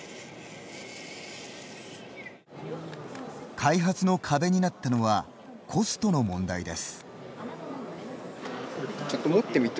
開発の壁になったのはコストの問題です。